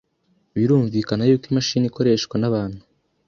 birumvikana yuko imashini ikoreshwa n’abantu